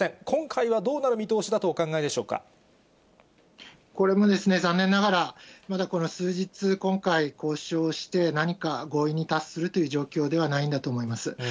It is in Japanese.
今回はどうなる見通しだとお考えこれもですね、残念ながら、まだこの数日、今回交渉して、何か合意に達するという状況ではないんだと思います。